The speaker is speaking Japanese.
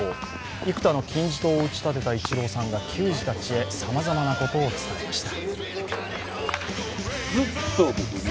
幾田の金字塔を打ち立てたイチローさんが球児たちへさまざまことを伝えました。